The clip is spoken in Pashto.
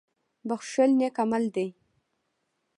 • بښل نېک عمل دی.